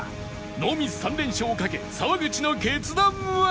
ノーミス３連勝をかけ沢口の決断は？